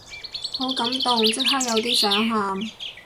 好感動，即刻有啲想喊